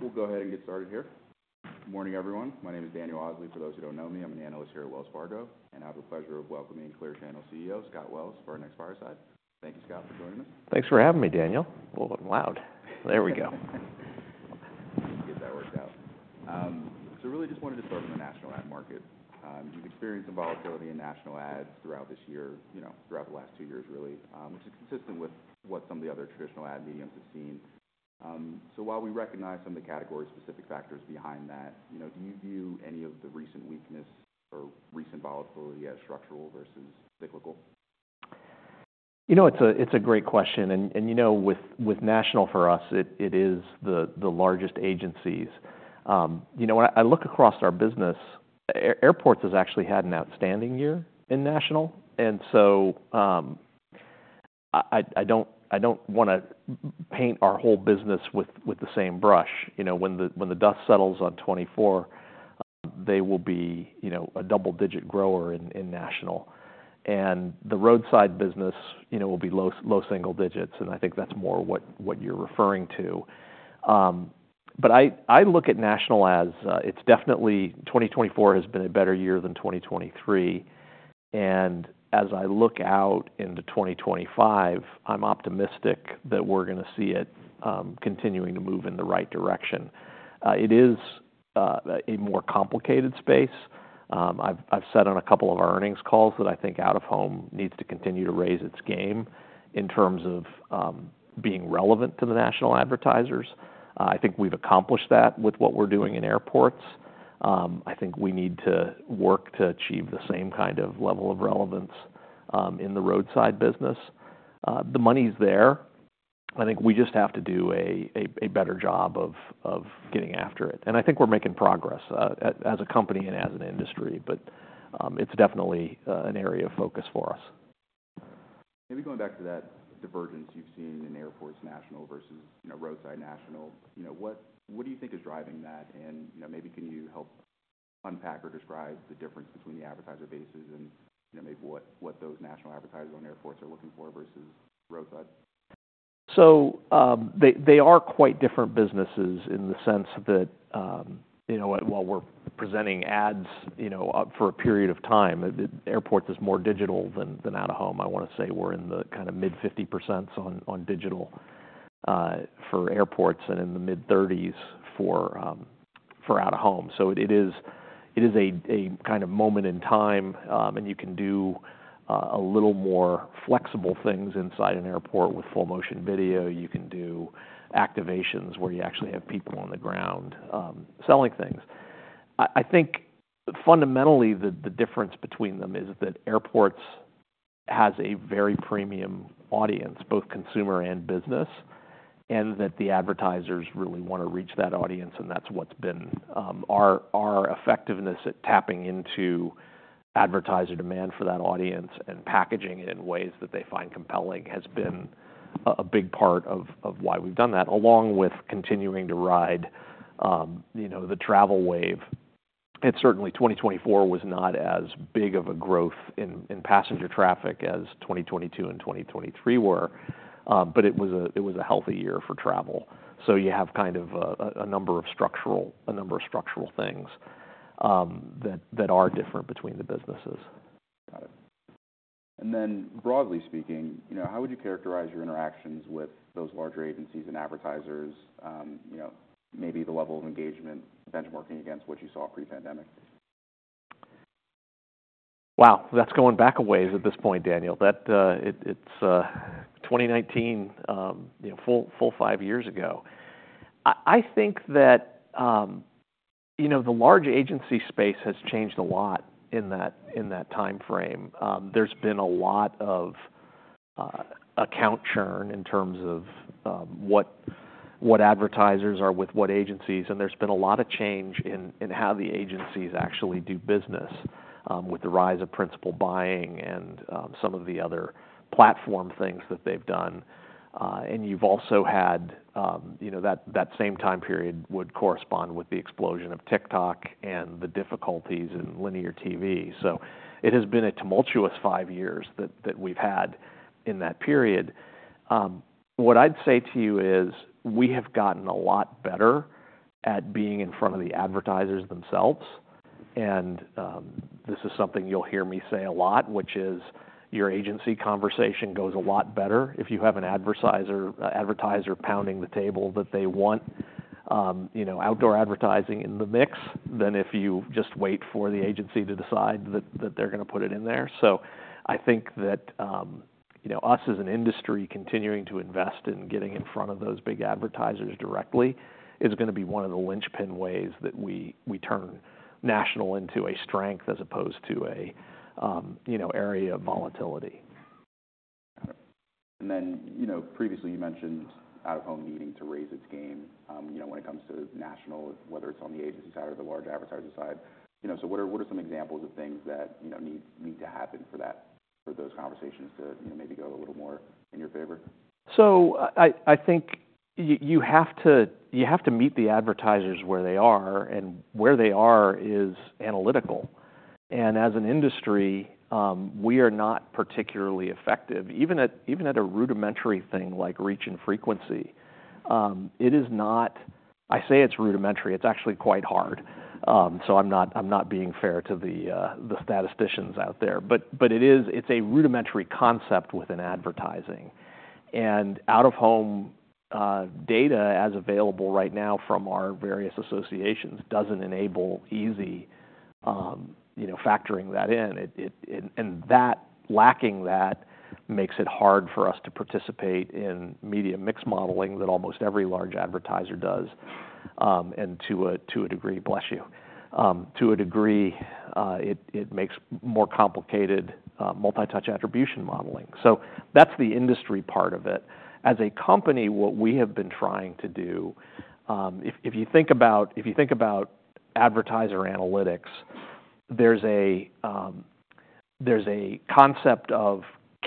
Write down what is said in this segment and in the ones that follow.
We'll go ahead and get started here. Good morning, everyone. My name is Daniel Osley. For those who don't know me, I'm an analyst here at Wells Fargo, and I have the pleasure of welcoming Clear Channel CEO Scott Wells for our next fireside. Thank you, Scott, for joining us. Thanks for having me, Daniel. Whoa, I'm loud. There we go. Get that worked out. So really just wanted to start with the national ad market. You've experienced some volatility in national ads throughout this year, you know, throughout the last two years, really, which is consistent with what some of the other traditional ad media have seen. So while we recognize some of the category-specific factors behind that, you know, do you view any of the recent weakness or recent volatility as structural versus cyclical? You know, it's a great question. And you know, with national for us, it is the largest agencies. You know, when I look across our business, airports has actually had an outstanding year in national. And so, I don't wanna paint our whole business with the same brush. You know, when the dust settles on 2024, they will be, you know, a double-digit grower in national. And the roadside business, you know, will be low single digits. And I think that's more what you're referring to. But I look at national as, it's definitely 2024 has been a better year than 2023. And as I look out into 2025, I'm optimistic that we're gonna see it continuing to move in the right direction. It is a more complicated space. I've said on a couple of our earnings calls that I think out-of-home needs to continue to raise its game in terms of being relevant to the national advertisers. I think we've accomplished that with what we're doing in airports. I think we need to work to achieve the same kind of level of relevance in the roadside business. The money's there. I think we just have to do a better job of getting after it. And I think we're making progress as a company and as an industry, but it is definitely an area of focus for us. Maybe going back to that divergence you've seen in airports national versus, you know, roadside national, you know, what, what do you think is driving that? And, you know, maybe can you help unpack or describe the difference between the advertiser bases and, you know, maybe what, what those national advertisers on airports are looking for versus roadside? So, they are quite different businesses in the sense that, you know, while we're presenting ads, you know, for a period of time, airports is more digital than out-of-home. I wanna say we're in the kinda mid-50s% on digital for airports and in the mid-30s% for out-of-home. So it is a kind of moment in time. You can do a little more flexible things inside an airport with full-motion video. You can do activations where you actually have people on the ground, selling things. I think fundamentally the difference between them is that airports has a very premium audience, both consumer and business, and that the advertisers really wanna reach that audience. And that's what's been our effectiveness at tapping into advertiser demand for that audience and packaging it in ways that they find compelling has been a big part of why we've done that, along with continuing to ride, you know, the travel wave. And certainly, 2024 was not as big of a growth in passenger traffic as 2022 and 2023 were. But it was a healthy year for travel. So you have kind of a number of structural things that are different between the businesses. Got it. And then broadly speaking, you know, how would you characterize your interactions with those larger agencies and advertisers, you know, maybe the level of engagement benchmarking against what you saw pre-pandemic? Wow. That's going back a ways at this point, Daniel. That it's 2019, you know, full five years ago. I think that, you know, the large agency space has changed a lot in that time frame. There's been a lot of account churn in terms of what advertisers are with what agencies, and there's been a lot of change in how the agencies actually do business, with the rise of principal buying and some of the other platform things that they've done, and you've also had, you know, that same time period would correspond with the explosion of TikTok and the difficulties in linear TV, so it has been a tumultuous five years that we've had in that period. What I'd say to you is we have gotten a lot better at being in front of the advertisers themselves. This is something you'll hear me say a lot, which is your agency conversation goes a lot better if you have an advertiser pounding the table that they want, you know, outdoor advertising in the mix than if you just wait for the agency to decide that they're gonna put it in there. So I think that, you know, us as an industry continuing to invest in getting in front of those big advertisers directly is gonna be one of the linchpin ways that we turn national into a strength as opposed to a, you know, area of volatility. Got it. And then, you know, previously you mentioned out-of-home needing to raise its game, you know, when it comes to national, whether it's on the agency side or the large advertiser side. You know, so what are some examples of things that, you know, need to happen for those conversations to, you know, maybe go a little more in your favor? So I think you have to meet the advertisers where they are. And where they are is analytical. And as an industry, we are not particularly effective. Even at a rudimentary thing like reach and frequency, it is not. I say it's rudimentary. It's actually quite hard. So I'm not being fair to the statisticians out there. But it is a rudimentary concept within advertising. And out-of-home data as available right now from our various associations doesn't enable easy, you know, factoring that in. It and that lacking makes it hard for us to participate in media mix modeling that almost every large advertiser does, and to a degree, bless you, to a degree, it makes more complicated multi-touch attribution modeling. So that's the industry part of it. As a company, what we have been trying to do, if you think about advertiser analytics, there's a concept of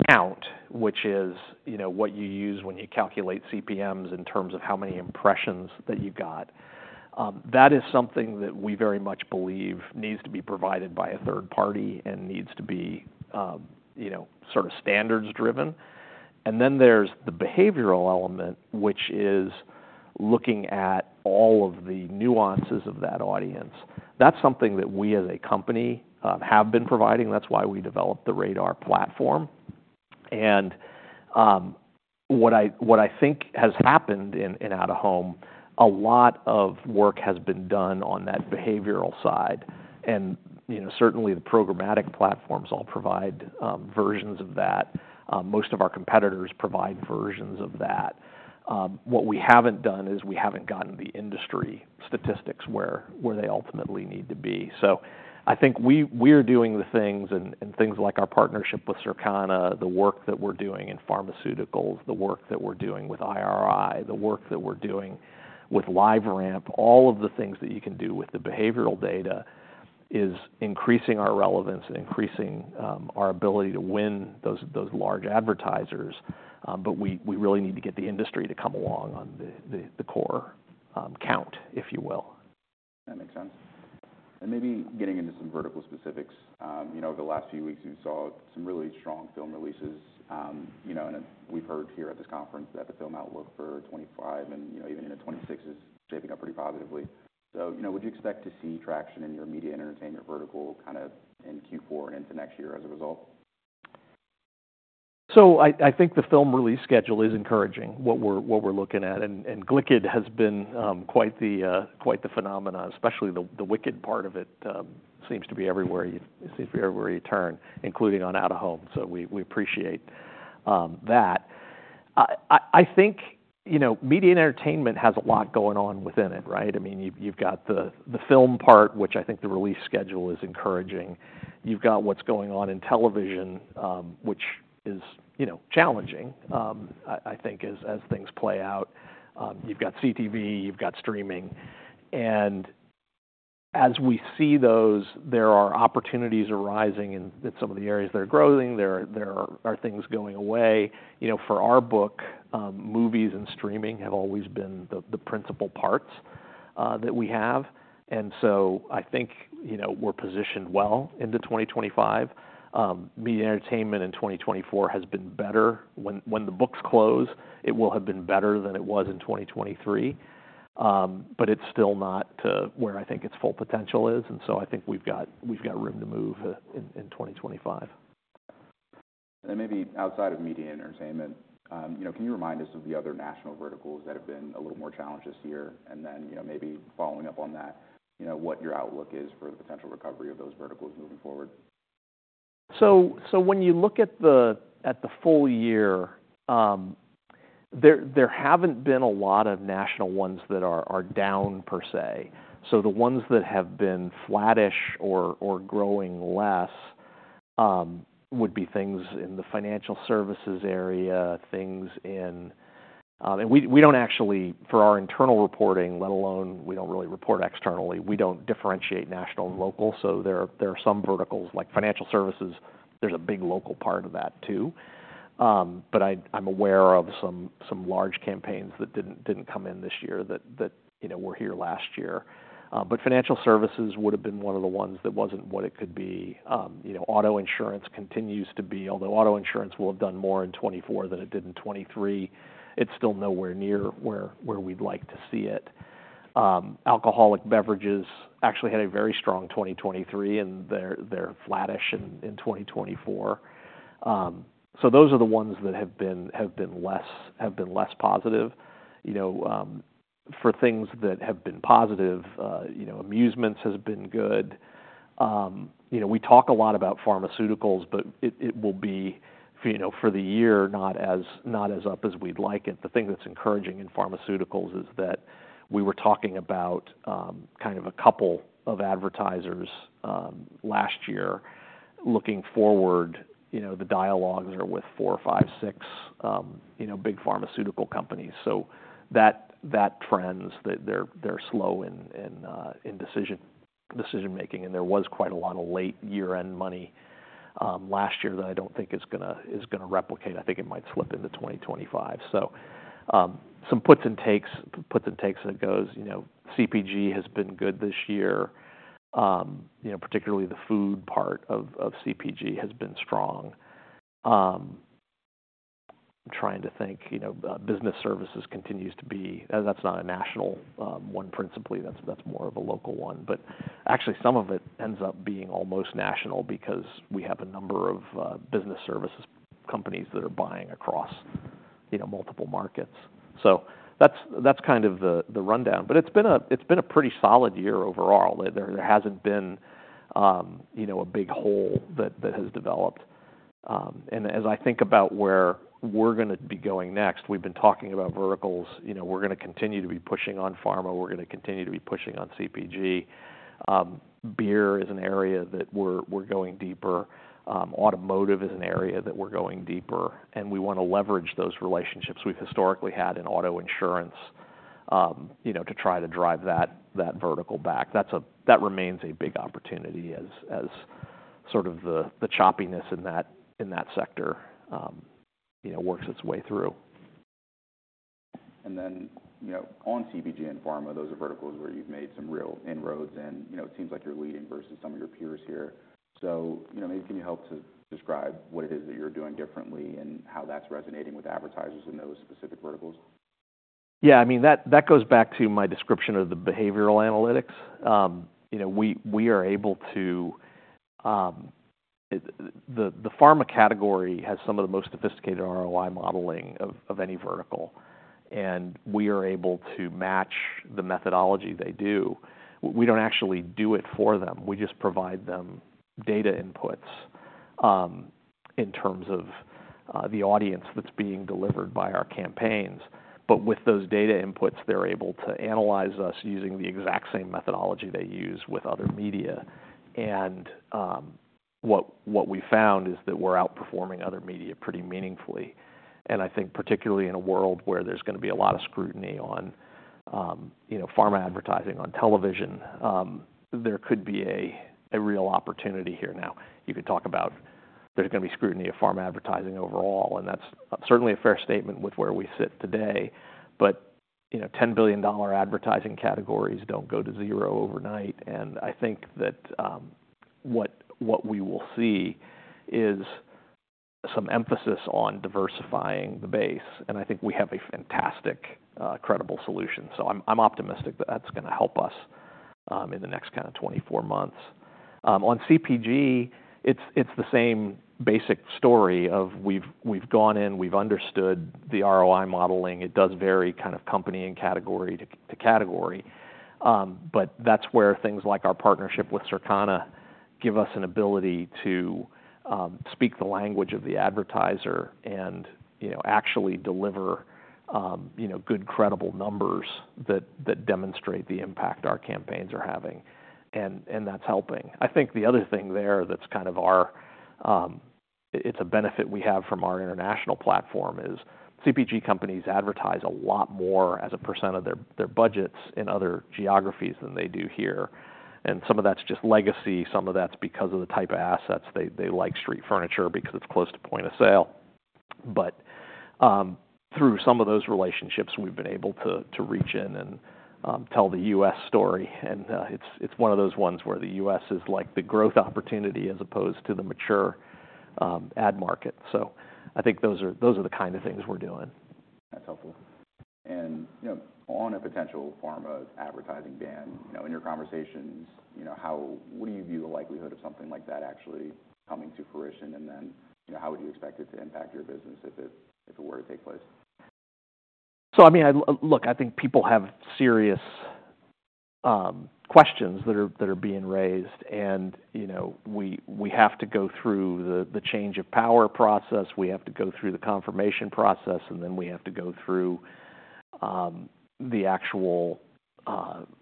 count, which is, you know, what you use when you calculate CPMs in terms of how many impressions that you got. That is something that we very much believe needs to be provided by a third party and needs to be, you know, sort of standards-driven. Then there's the behavioral element, which is looking at all of the nuances of that audience. That's something that we as a company have been providing. That's why we developed the RADAR platform. What I think has happened in out-of-home, a lot of work has been done on that behavioral side. You know, certainly the programmatic platforms all provide versions of that. Most of our competitors provide versions of that. What we haven't done is we haven't gotten the industry statistics where they ultimately need to be. So I think we are doing the things and things like our partnership with Circana, the work that we're doing in pharmaceuticals, the work that we're doing with IRI, the work that we're doing with LiveRamp, all of the things that you can do with the behavioral data is increasing our relevance and increasing our ability to win those large advertisers. But we really need to get the industry to come along on the core count, if you will. That makes sense. And maybe getting into some vertical specifics, you know, over the last few weeks, we saw some really strong film releases, you know, and we've heard here at this conference that the film outlook for 2025 and, you know, even into 2026 is shaping up pretty positively. So, you know, would you expect to see traction in your media and entertainment vertical kinda in Q4 and into next year as a result? I think the film release schedule is encouraging, what we're looking at. And Wicked has been quite the phenomenon, especially the Wicked part of it. It seems to be everywhere you turn, including on out-of-home. So we appreciate that. I think, you know, media and entertainment has a lot going on within it, right? I mean, you've got the film part, which I think the release schedule is encouraging. You've got what's going on in television, which is, you know, challenging, I think, as things play out. You've got CTV. You've got streaming. And as we see those, there are opportunities arising in some of the areas they're growing. There are things going away. You know, for our book, movies and streaming have always been the principal parts that we have. And so I think, you know, we're positioned well into 2025. Media entertainment in 2024 has been better. When the books close, it will have been better than it was in 2023. But it's still not to where I think its full potential is. And so I think we've got room to move in 2025. And then maybe outside of media and entertainment, you know, can you remind us of the other national verticals that have been a little more challenged this year? And then, you know, maybe following up on that, you know, what your outlook is for the potential recovery of those verticals moving forward? So when you look at the full year, there haven't been a lot of national ones that are down per se. So the ones that have been flattish or growing less would be things in the financial services area, things in, and we don't actually for our internal reporting, let alone we don't really report externally. We don't differentiate national and local. So there are some verticals like financial services. There's a big local part of that too. But I'm aware of some large campaigns that didn't come in this year that, you know, were here last year. But financial services would have been one of the ones that wasn't what it could be. You know, auto insurance continues to be, although auto insurance will have done more in 2024 than it did in 2023. It's still nowhere near where we'd like to see it. Alcoholic beverages actually had a very strong 2023, and they're flattish in 2024. So those are the ones that have been less positive. You know, for things that have been positive, you know, amusements has been good. You know, we talk a lot about pharmaceuticals, but it will be, you know, for the year, not as up as we'd like it. The thing that's encouraging in pharmaceuticals is that we were talking about kind of a couple of advertisers last year. Looking forward, you know, the dialogues are with four, five, six, you know, big pharmaceutical companies. So that trend is that they're slow in decision-making. And there was quite a lot of late year-end money last year that I don't think is gonna replicate. I think it might slip into 2025. So, some puts and takes as it goes. You know, CPG has been good this year. You know, particularly the food part of CPG has been strong. I'm trying to think. You know, business services continues to be that's not a national one principally. That's more of a local one. But actually, some of it ends up being almost national because we have a number of business services companies that are buying across multiple markets. So that's kind of the rundown. But it's been a pretty solid year overall. There hasn't been a big hole that has developed. And as I think about where we're gonna be going next, we've been talking about verticals. You know, we're gonna continue to be pushing on pharma. We're gonna continue to be pushing on CPG. Beer is an area that we're going deeper. Automotive is an area that we're going deeper. And we wanna leverage those relationships we've historically had in auto insurance, you know, to try to drive that vertical back. That remains a big opportunity as sort of the choppiness in that sector, you know, works its way through. And then, you know, on CPG and pharma, those are verticals where you've made some real inroads and, you know, it seems like you're leading versus some of your peers here. So, you know, maybe can you help to describe what it is that you're doing differently and how that's resonating with advertisers in those specific verticals? Yeah. I mean, that goes back to my description of the behavioral analytics. You know, we are able to. The pharma category has some of the most sophisticated ROI modeling of any vertical. And we are able to match the methodology they do. We don't actually do it for them. We just provide them data inputs, in terms of the audience that's being delivered by our campaigns. But with those data inputs, they're able to analyze us using the exact same methodology they use with other media. And what we found is that we're outperforming other media pretty meaningfully. And I think particularly in a world where there's gonna be a lot of scrutiny on, you know, pharma advertising on television, there could be a real opportunity here. Now, you could talk about there's gonna be scrutiny of pharma advertising overall, and that's certainly a fair statement with where we sit today. But, you know, $10 billion advertising categories don't go to zero overnight. And I think that, what, what we will see is some emphasis on diversifying the base. And I think we have a fantastic, credible solution. So I'm, I'm optimistic that that's gonna help us, in the next kinda 24 months. On CPG, it's, it's the same basic story of we've, we've gone in, we've understood the ROI modeling. It does vary kind of company and category to, to category. But that's where things like our partnership with Circana give us an ability to, speak the language of the advertiser and, you know, actually deliver, you know, good, credible numbers that, that demonstrate the impact our campaigns are having. And, and that's helping. I think the other thing there that's kind of our. It's a benefit we have from our international platform is CPG companies advertise a lot more as a percent of their budgets in other geographies than they do here. And some of that's just legacy. Some of that's because of the type of assets. They like street furniture because it's close to point of sale. But through some of those relationships, we've been able to reach in and tell the U.S. story. And it's one of those ones where the U.S. is like the growth opportunity as opposed to the mature ad market. So I think those are the kinda things we're doing. That's helpful. You know, on a potential pharma advertising ban, you know, in your conversations, you know, how? What do you view the likelihood of something like that actually coming to fruition? And then, you know, how would you expect it to impact your business if it were to take place? So, I mean, I look, I think people have serious questions that are being raised. You know, we have to go through the change of power process. We have to go through the confirmation process. And then we have to go through the actual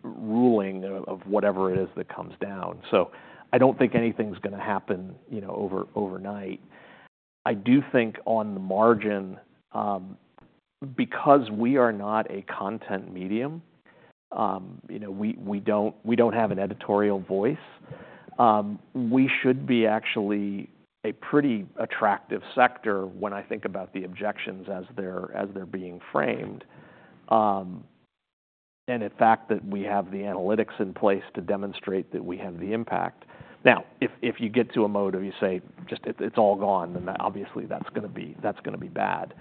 ruling of whatever it is that comes down. So I don't think anything's gonna happen, you know, overnight. I do think on the margin, because we are not a content medium, you know, we don't have an editorial voice. We should actually be a pretty attractive sector when I think about the objections as they're being framed, and the fact that we have the analytics in place to demonstrate that we have the impact. Now, if you get to a mode of you say, "Just it's all gone," then obviously that's gonna be bad.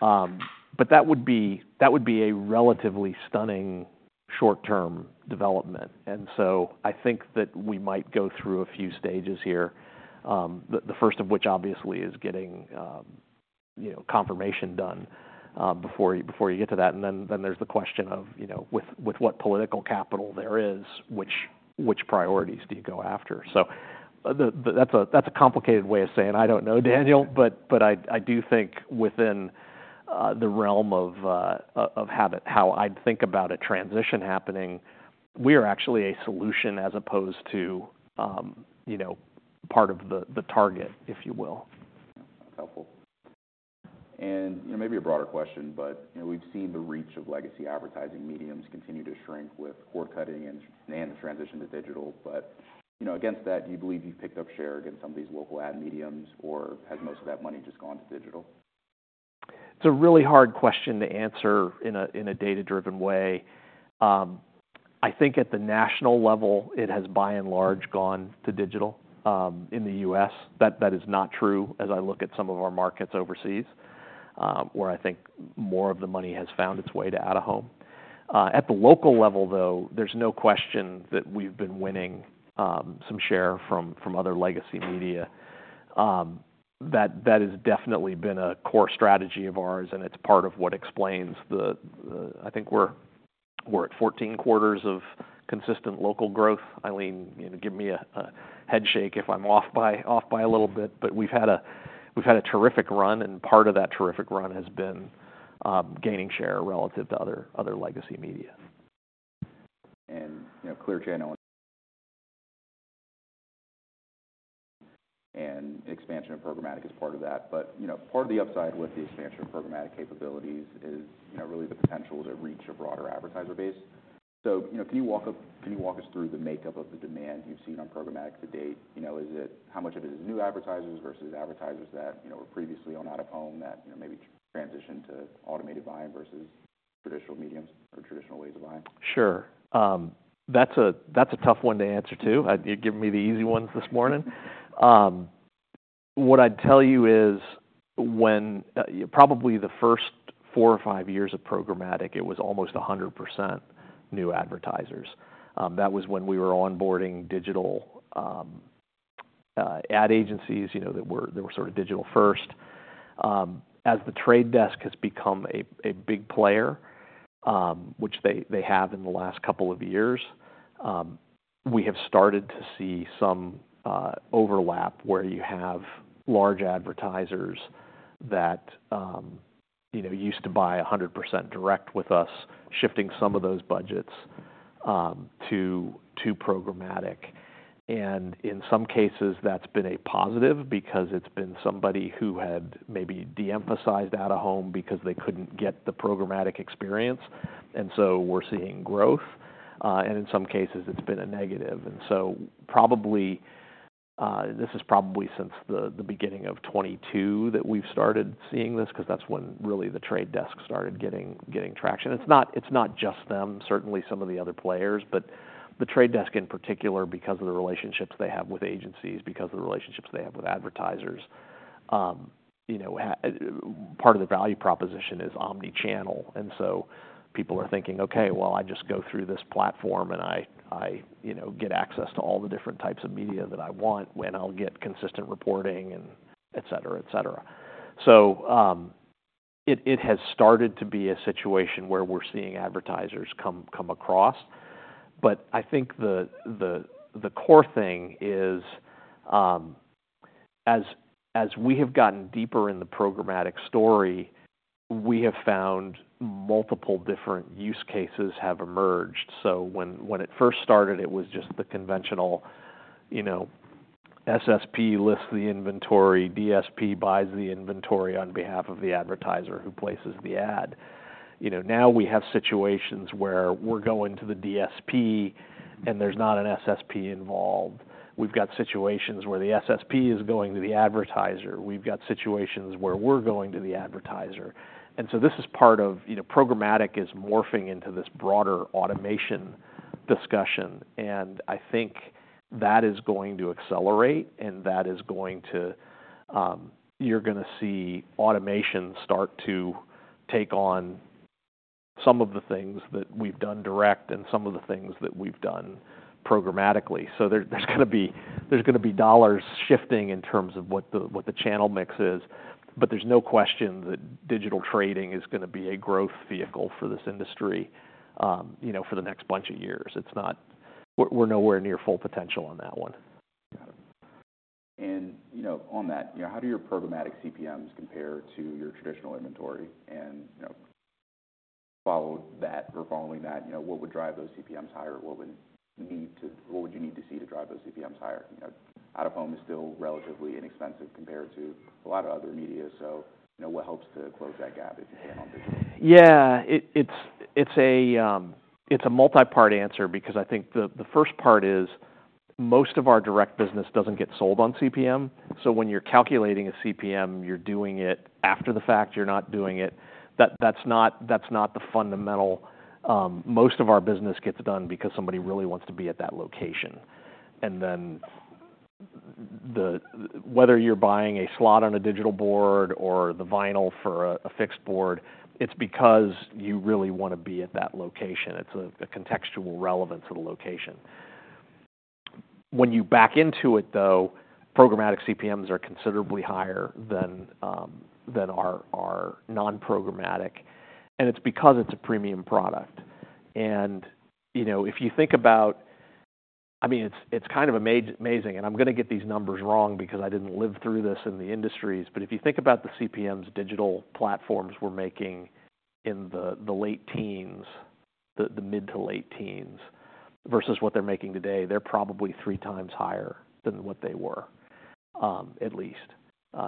But that would be a relatively stunning short-term development. And so I think that we might go through a few stages here, the first of which obviously is getting, you know, confirmation done, before you get to that. And then there's the question of, you know, with what political capital there is, which priorities do you go after? So that's a complicated way of saying, "I don't know, Daniel." But I do think within the realm of how I'd think about a transition happening, we are actually a solution as opposed to, you know, part of the target, if you will. That's helpful. And, you know, maybe a broader question, but, you know, we've seen the reach of legacy advertising media continue to shrink with cord cutting and the transition to digital. But, you know, against that, do you believe you've picked up share against some of these local ad media, or has most of that money just gone to digital? It's a really hard question to answer in a data-driven way. I think at the national level, it has by and large gone to digital, in the U.S. That is not true as I look at some of our markets overseas, where I think more of the money has found its way to out-of-home. At the local level, though, there's no question that we've been winning some share from other legacy media. That has definitely been a core strategy of ours, and it's part of what explains the I think we're at 14 quarters of consistent local growth. Eileen, you know, give me a head shake if I'm off by a little bit. But we've had a terrific run, and part of that terrific run has been gaining share relative to other legacy media. You know, Clear Channel and expansion of programmatic is part of that. You know, part of the upside with the expansion of programmatic capabilities is, you know, really the potential to reach a broader advertiser base. You know, can you walk us through the makeup of the demand you've seen on programmatic to date? You know, is it how much of it is new advertisers versus advertisers that, you know, were previously on out-of-home that, you know, maybe transitioned to automated buying versus traditional mediums or traditional ways of buying? Sure. That's a tough one to answer too. You're giving me the easy ones this morning. What I'd tell you is, probably the first four or five years of programmatic, it was almost 100% new advertisers. That was when we were onboarding digital ad agencies, you know, that were sort of digital first. As The Trade Desk has become a big player, which they have in the last couple of years, we have started to see some overlap where you have large advertisers that, you know, used to buy 100% direct with us, shifting some of those budgets to programmatic. And in some cases, that's been a positive because it's been somebody who had maybe de-emphasized out-of-home because they couldn't get the programmatic experience. And so we're seeing growth, and in some cases, it's been a negative. Probably this is since the beginning of 2022 that we've started seeing this 'cause that's when really The Trade Desk started getting traction. It's not just them, certainly some of the other players, but The Trade Desk in particular because of the relationships they have with agencies, because of the relationships they have with advertisers. You know, a part of the value proposition is omnichannel. People are thinking, "Okay, well, I just go through this platform and I you know get access to all the different types of media that I want and I'll get consistent reporting and etc., etc." It has started to be a situation where we're seeing advertisers come across. But I think the core thing is, as we have gotten deeper in the programmatic story, we have found multiple different use cases have emerged. So when it first started, it was just the conventional, you know, SSP lists the inventory, DSP buys the inventory on behalf of the advertiser who places the ad. You know, now we have situations where we're going to the DSP and there's not an SSP involved. We've got situations where the SSP is going to the advertiser. We've got situations where we're going to the advertiser. And so this is part of, you know, programmatic is morphing into this broader automation discussion. And I think that is going to accelerate and that is going to, you're gonna see automation start to take on some of the things that we've done direct and some of the things that we've done programmatically. So there's gonna be dollars shifting in terms of what the channel mix is. But there's no question that digital trading is gonna be a growth vehicle for this industry, you know, for the next bunch of years. It's not, we're nowhere near full potential on that one. Got it. And, you know, on that, you know, how do your programmatic CPMs compare to your traditional inventory? And, you know, follow that or following that, you know, what would drive those CPMs higher? What would you need to see to drive those CPMs higher? You know, out-of-home is still relatively inexpensive compared to a lot of other media. So, you know, what helps to close that gap if you can on digital? Yeah. It's a multi-part answer because I think the first part is most of our direct business doesn't get sold on CPM. So when you're calculating a CPM, you're doing it after the fact. You're not doing it. That's not the fundamental. Most of our business gets done because somebody really wants to be at that location. And then whether you're buying a slot on a digital board or the vinyl for a fixed board, it's because you really wanna be at that location. It's a contextual relevance of the location. When you back into it, though, programmatic CPMs are considerably higher than our non-programmatic. And it's because it's a premium product. And, you know, if you think about I mean, it's kind of amazing. And I'm gonna get these numbers wrong because I didn't live through this in the industries. But if you think about the CPMs digital platforms were making in the late teens, the mid to late teens versus what they're making today, they're probably three times higher than what they were, at least.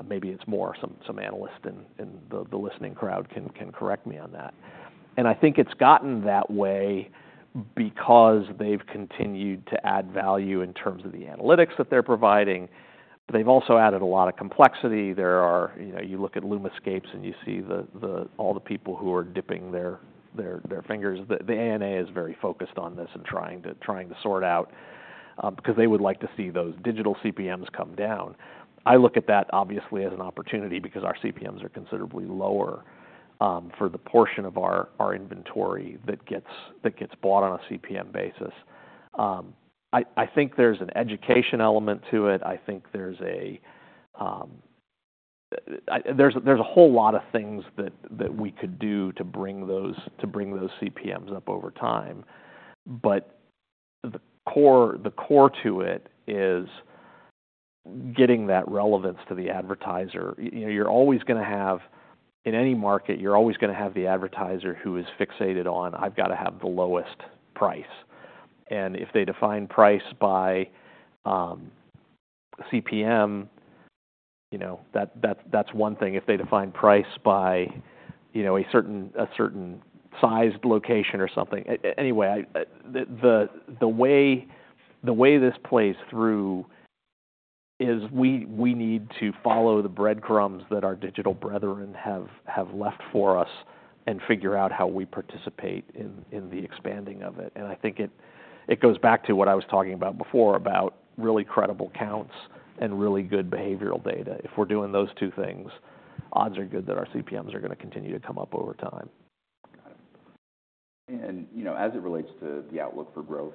Maybe it's more. Some analysts in the listening crowd can correct me on that. And I think it's gotten that way because they've continued to add value in terms of the analytics that they're providing. But they've also added a lot of complexity. There are, you know, you look at LUMAscape and you see all the people who are dipping their fingers. The ANA is very focused on this and trying to sort out, because they would like to see those digital CPMs come down. I look at that obviously as an opportunity because our CPMs are considerably lower, for the portion of our inventory that gets bought on a CPM basis. I think there's an education element to it. I think there's a whole lot of things that we could do to bring those CPMs up over time. But the core to it is getting that relevance to the advertiser. You know, you're always gonna have in any market the advertiser who is fixated on, "I've gotta have the lowest price." And if they define price by CPM, you know, that's one thing. If they define price by, you know, a certain sized location or something. Anyway, the way this plays through is we need to follow the breadcrumbs that our digital brethren have left for us and figure out how we participate in the expanding of it. And I think it goes back to what I was talking about before about really credible counts and really good behavioral data. If we're doing those two things, odds are good that our CPMs are gonna continue to come up over time. Got it, and, you know, as it relates to the outlook for growth,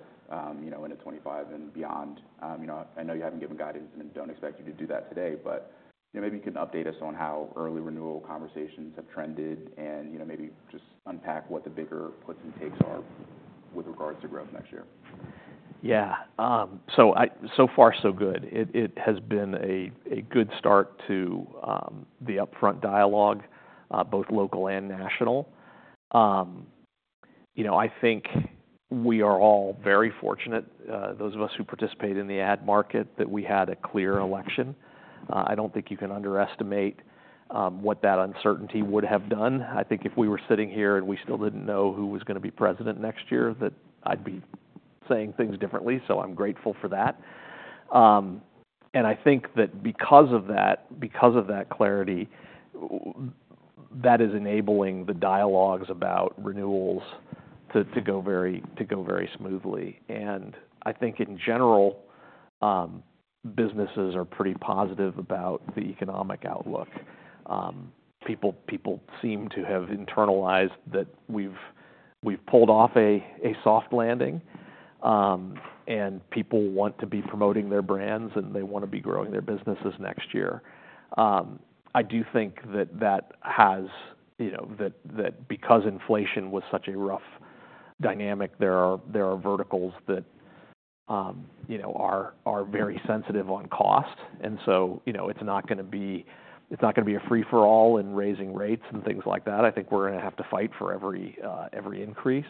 you know, into 2025 and beyond, you know, I know you haven't given guidance and don't expect you to do that today, but, you know, maybe you can update us on how early renewal conversations have trended and, you know, maybe just unpack what the bigger puts and takes are with regards to growth next year. Yeah, so far, so good. It has been a good start to the upfront dialogue, both local and national. You know, I think we are all very fortunate, those of us who participate in the ad market, that we had a clear election. I don't think you can underestimate what that uncertainty would have done. I think if we were sitting here and we still didn't know who was gonna be president next year, that I'd be saying things differently. So I'm grateful for that. I think that because of that clarity, that is enabling the dialogues about renewals to go very smoothly. I think in general, businesses are pretty positive about the economic outlook. People seem to have internalized that we've pulled off a soft landing. And people want to be promoting their brands and they wanna be growing their businesses next year. I do think that has, you know, that because inflation was such a rough dynamic. There are verticals that, you know, are very sensitive on cost. And so, you know, it's not gonna be a free-for-all in raising rates and things like that. I think we're gonna have to fight for every increase.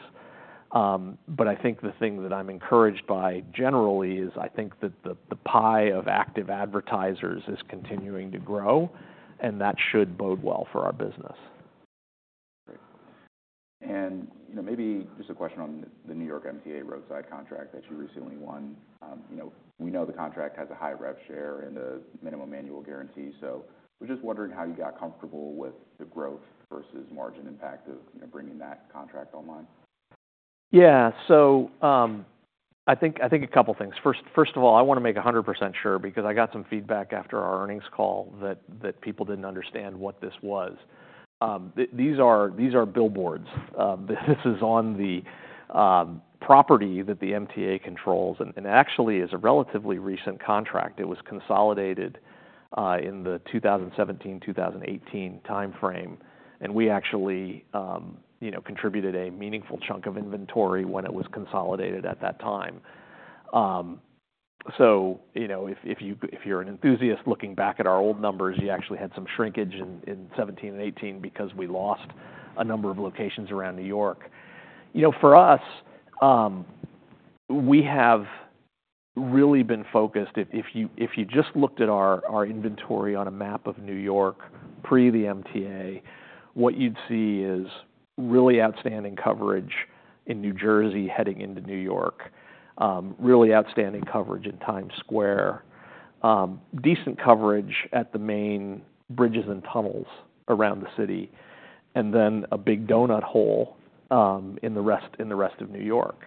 But I think the thing that I'm encouraged by generally is I think that the pie of active advertisers is continuing to grow, and that should bode well for our business. Great. And, you know, maybe just a question on the New York MTA roadside contract that you recently won? You know, we know the contract has a high rev share and a minimum annual guarantee. So we're just wondering how you got comfortable with the growth versus margin impact of, you know, bringing that contract online. Yeah. So, I think a couple things. First of all, I wanna make 100% sure because I got some feedback after our earnings call that people didn't understand what this was. These are billboards. This is on the property that the MTA controls. And it actually is a relatively recent contract. It was consolidated in the 2017, 2018 timeframe. And we actually, you know, contributed a meaningful chunk of inventory when it was consolidated at that time. So, you know, if you're an enthusiast looking back at our old numbers, you actually had some shrinkage in 2017 and 2018 because we lost a number of locations around New York. You know, for us, we have really been focused if you just looked at our inventory on a map of New York pre the MTA, what you'd see is really outstanding coverage in New Jersey heading into New York, really outstanding coverage in Times Square, decent coverage at the main bridges and tunnels around the city, and then a big donut hole in the rest of New York,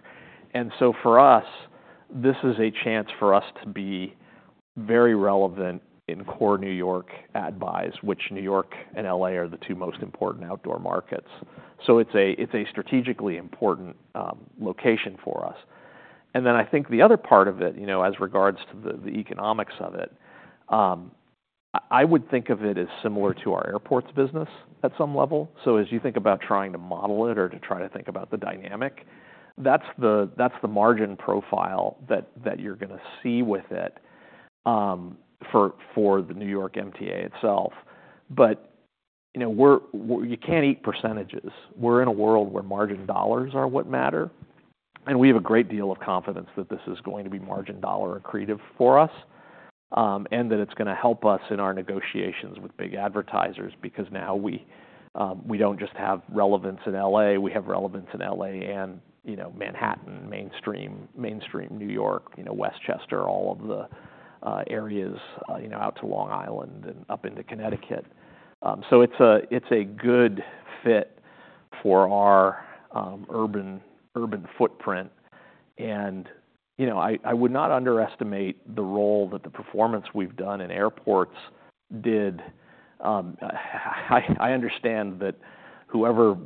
and so for us, this is a chance for us to be very relevant in core New York ad buys, which New York and LA are the two most important outdoor markets. So it's a strategically important location for us. And then I think the other part of it, you know, as regards to the economics of it, I would think of it as similar to our airports business at some level. So as you think about trying to model it or to try to think about the dynamic, that's the margin profile that you're gonna see with it, for the New York MTA itself. But, you know, you can't eat percentages. We're in a world where margin dollars are what matter. And we have a great deal of confidence that this is going to be margin dollar accretive for us, and that it's gonna help us in our negotiations with big advertisers because now we don't just have relevance in LA. We have relevance in LA and, you know, Manhattan, mainstream New York, you know, Westchester, all of the areas, you know, out to Long Island and up into Connecticut. So it's a good fit for our urban footprint. And, you know, I would not underestimate the role that the performance we've done in airports did. I understand that whoever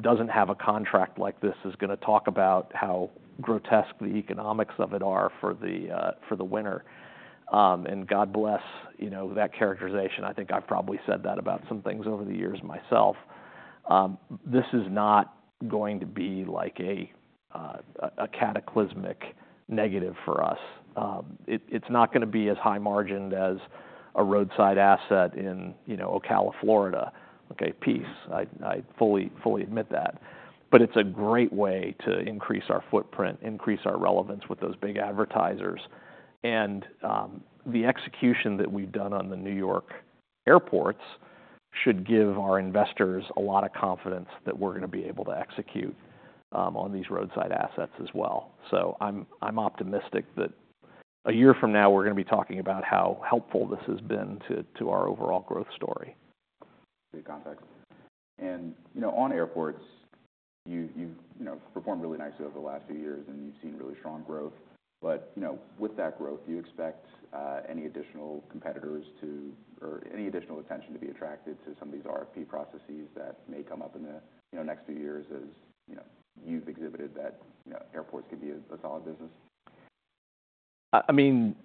doesn't have a contract like this is gonna talk about how grotesque the economics of it are for the winner. And God bless, you know, that characterization. I think I've probably said that about some things over the years myself. This is not going to be like a cataclysmic negative for us. It's not gonna be as high margined as a roadside asset in, you know, Ocala, Florida. Okay. Peace. I fully admit that. But it's a great way to increase our footprint, increase our relevance with those big advertisers. And the execution that we've done on the New York airports should give our investors a lot of confidence that we're gonna be able to execute on these roadside assets as well. So I'm optimistic that a year from now, we're gonna be talking about how helpful this has been to our overall growth story. Good context, and you know, on airports, you've performed really nicely over the last few years, and you've seen really strong growth, but you know, with that growth, do you expect any additional competitors or any additional attention to be attracted to some of these RFP processes that may come up in the next few years as you know, you've exhibited that you know, airports could be a solid business? I mean,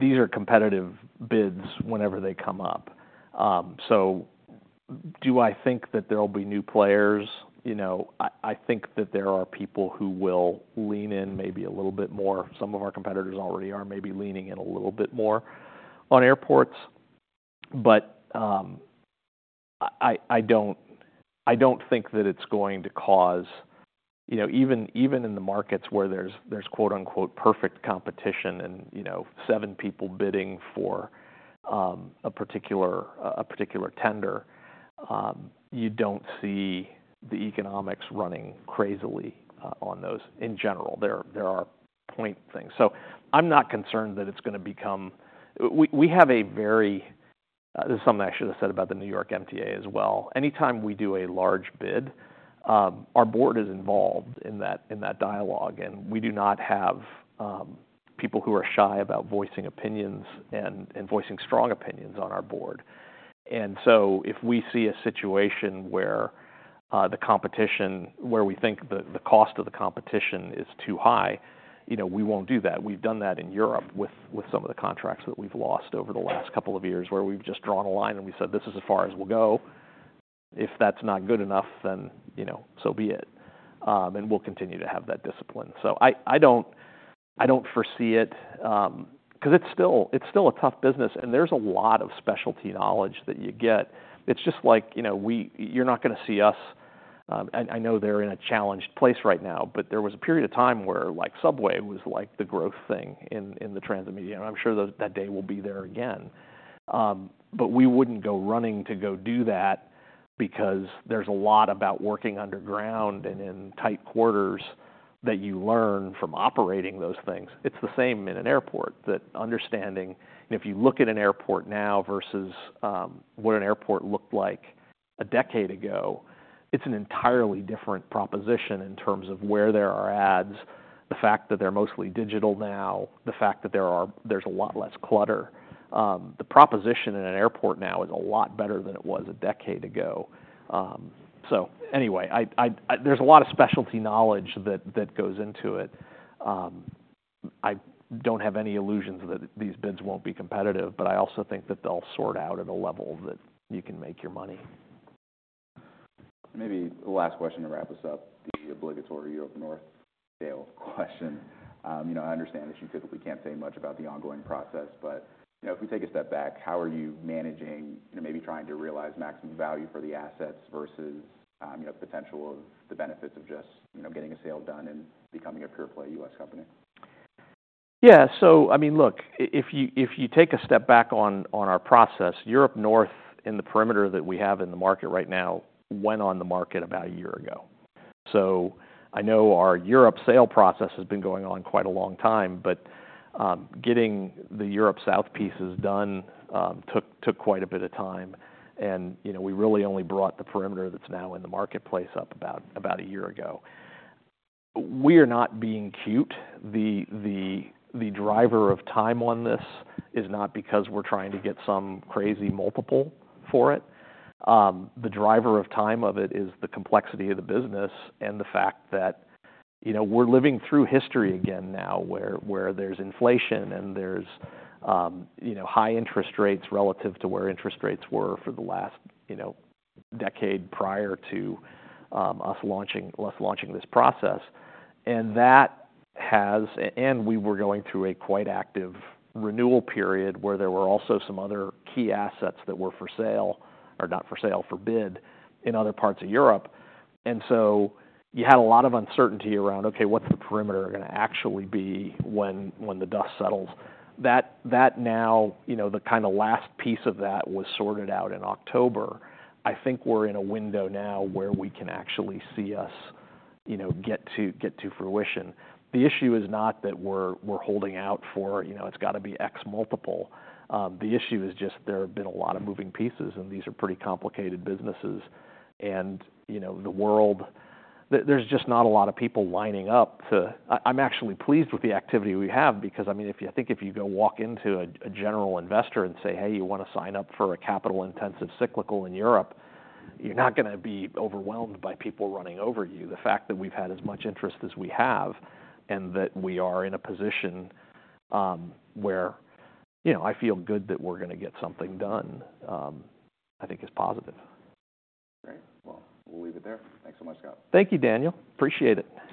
these are competitive bids whenever they come up. So do I think that there'll be new players? You know, I think that there are people who will lean in maybe a little bit more. Some of our competitors already are maybe leaning in a little bit more on airports. But I don't think that it's going to cause, you know, even in the markets where there's quote-unquote perfect competition and, you know, seven people bidding for a particular tender, you don't see the economics running crazily on those in general. There are point things. So I'm not concerned that it's gonna become. We have a very this is something I should have said about the New York MTA as well. Anytime we do a large bid, our board is involved in that dialogue. And we do not have people who are shy about voicing opinions and voicing strong opinions on our board. And so if we see a situation where we think the cost of the competition is too high, you know, we won't do that. We've done that in Europe with some of the contracts that we've lost over the last couple of years where we've just drawn a line and we said, "This is as far as we'll go. If that's not good enough, then, you know, so be it," and we'll continue to have that discipline. So I don't foresee it, because it's still a tough business. And there's a lot of specialty knowledge that you get. It's just like, you know, we, you're not gonna see us. I know they're in a challenged place right now, but there was a period of time where, like, subway was like the growth thing in the transit media. And I'm sure that day will be there again. We wouldn't go running to go do that because there's a lot about working underground and in tight quarters that you learn from operating those things. It's the same in an airport, that understanding if you look at an airport now versus what an airport looked like a decade ago, it's an entirely different proposition in terms of where there are ads, the fact that they're mostly digital now, the fact that there's a lot less clutter. The proposition in an airport now is a lot better than it was a decade ago. So anyway, there's a lot of specialty knowledge that goes into it. I don't have any illusions that these bids won't be competitive, but I also think that they'll sort out at a level that you can make your money. Maybe the last question to wrap us up, the obligatory Europe North sale question. You know, I understand that you typically can't say much about the ongoing process, but, you know, if we take a step back, how are you managing, you know, maybe trying to realize maximum value for the assets versus, you know, the potential of the benefits of just, you know, getting a sale done and becoming a pure-play U.S. company? Yeah. So, I mean, look, if you take a step back on our process, Europe North in the perimeter that we have in the market right now went on the market about a year ago. So I know our Europe sale process has been going on quite a long time, but getting the Europe South pieces done took quite a bit of time. And, you know, we really only brought the perimeter that's now in the marketplace up about a year ago. We are not being cute. The driver of time on this is not because we're trying to get some crazy multiple for it. The driver of timing of it is the complexity of the business and the fact that, you know, we're living through history again now where there's inflation and there's, you know, high interest rates relative to where interest rates were for the last, you know, decade prior to us launching this process. And that has, and we were going through a quite active renewal period where there were also some other key assets that were for sale or not for sale for bid in other parts of Europe. And so you had a lot of uncertainty around, okay, what's the perimeter gonna actually be when the dust settles? That now, you know, the kind of last piece of that was sorted out in October. I think we're in a window now where we can actually see us, you know, get to fruition. The issue is not that we're holding out for, you know, it's gotta be X multiple. The issue is just there have been a lot of moving pieces, and these are pretty complicated businesses. You know, the world, there's just not a lot of people lining up to. I'm actually pleased with the activity we have because, I mean, if you, I think, if you go walk into a general investor and say, "Hey, you wanna sign up for a capital-intensive cyclical in Europe," you're not gonna be overwhelmed by people running over you. The fact that we've had as much interest as we have and that we are in a position where, you know, I feel good that we're gonna get something done, I think is positive. Great. Well, we'll leave it there. Thanks so much, Scott. Thank you, Daniel. Appreciate it.